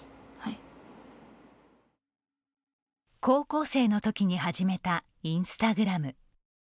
高校生のときに始めたインスタグラム。